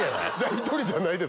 １人じゃないです。